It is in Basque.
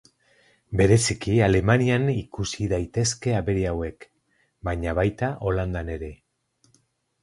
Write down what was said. Bereziki Alemanian ikusi daitezke abere hauek, baina baita Holandan ere.